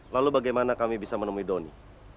lalu bagaimana kami bisa menemui doni